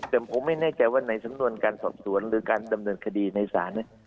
แต่ผมไม่แน่ใจว่าในสำนวนการสอบสวนหรือการดำเนินคดีในศาล